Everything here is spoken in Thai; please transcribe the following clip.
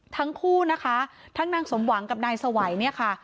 ทั้งคู่นะคะทั้งนางสมหวังกับนายสวัยเนี่ยค่ะ